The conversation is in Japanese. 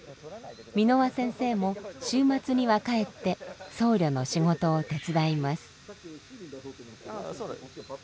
蓑輪先生も週末には帰って僧侶の仕事を手伝います。